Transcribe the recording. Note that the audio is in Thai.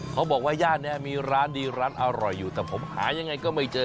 เขาบอกว่าย่านนี้มีร้านดีร้านอร่อยอยู่แต่ผมหายังไงก็ไม่เจอ